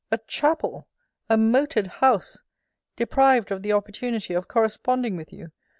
A chapel! A moated house! Deprived of the opportunity of corresponding with you!